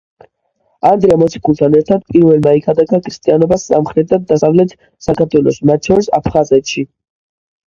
ანდრია მოციქულთან ერთად პირველმა იქადაგა ქრისტიანობა სამხრეთ და დასავლეთ საქართველოში, მათ შორის აფხაზეთში.